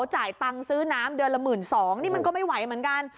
จ่ายตังค์ซื้อน้ำเดือนละ๑๒๐๐บาทนี่มันก็ไม่ไหวเหมือนกัน